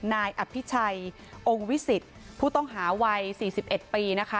นายอัภิชัยองค์วิสิตผู้ต้องหาวัยสี่สิบเอ็ดปีนะคะ